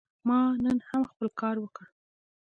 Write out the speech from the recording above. ما نن هم خپل کار وکړ.